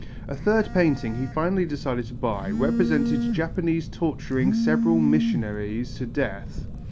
A third painting he finally decided to buy represented Japanese torturing several missionaries to death.